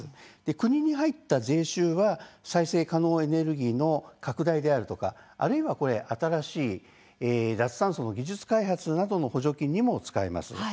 国に入った税収は再生可能エネルギーの拡大であるとかあるいは新しい脱炭素の技術開発の補助金などにも使えます。